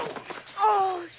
よし。